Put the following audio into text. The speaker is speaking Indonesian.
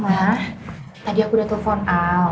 mah tadi aku udah telfon al